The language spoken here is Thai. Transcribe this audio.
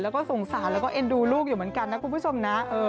แล้วก็สงสารแล้วก็เอ็นดูลูกอยู่เหมือนกันนะคุณผู้ชมนะ